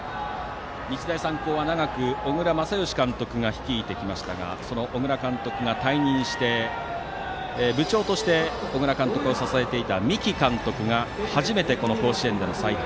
日大三高は長く小倉全由監督が率いてきましたがその小倉監督が退任して部長として小倉監督を支えていた三木監督が初めての甲子園での采配。